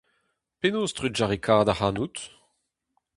Penaos trugarekaat ac'hanout ?